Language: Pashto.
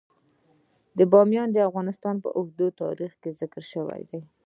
بامیان د افغانستان په اوږده تاریخ کې ذکر شوی دی.